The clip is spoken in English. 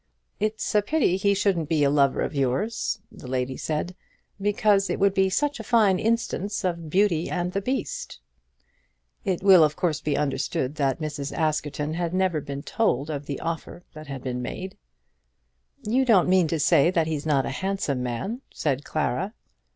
"It's a pity he shouldn't be a lover of yours," the lady said, "because it would be such a fine instance of Beauty and the Beast." It will of course be understood that Mrs. Askerton had never been told of the offer that had been made. "You don't mean to say that he's not a handsome man," said Clara.